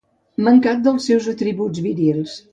Mancat dels seus atributs virils.